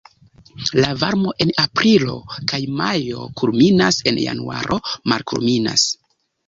La varmo en aprilo kaj majo kulminas, en januaro malkulminas.